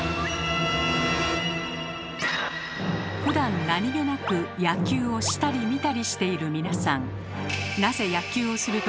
ふだん何気なく野球をしたり見たりしている皆さん。